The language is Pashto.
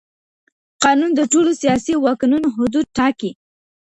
قانون د ټولو سياسي واکونو حدود ټاکي.